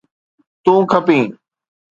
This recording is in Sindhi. تون کپين